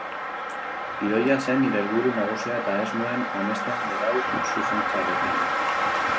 Gidoia zen nire helburu nagusia eta ez nuen amesten berau zuzentzearekin.